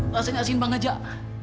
rasanya asin banget jak